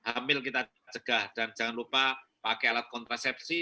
hamil kita cegah dan jangan lupa pakai alat kontrasepsi